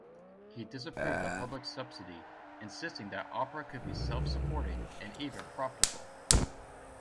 He disapproved of public subsidy, insisting that opera could be self-supporting and even profitable.